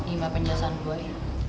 ini mah penjelasan gue